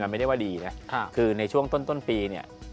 มันไม่ได้ว่าดีนะคือในช่วงต้นปีเนี่ย